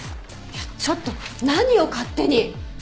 ちょっと何を勝手に！